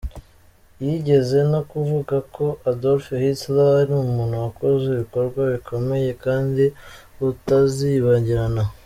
Yigeze no kuvuga ko Adolf Hitler ari umuntu wakoze ibikorwa bikomeye kandi utazibagirana.